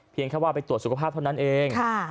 แค่ว่าไปตรวจสุขภาพเท่านั้นเอง